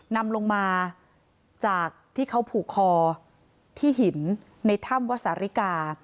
นำลงมาจากที่เขาผูกคอที่หินในถ้ำวสาริกา